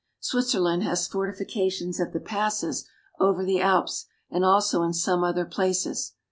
Switzerland has fortifications at the passes over the Alps, and also in some other places.